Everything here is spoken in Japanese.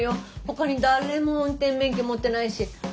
ほかに誰も運転免許持ってないし。